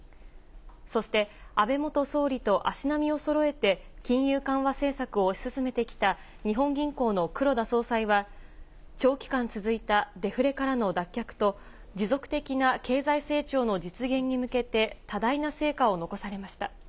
そして、安倍元総理と足並みをそろえて、金融緩和政策を推し進めてきた日本銀行の黒田総裁は、長期間続いたデフレからの脱却と、持続的な経済成長の実現に向けて多大な成果を残されました。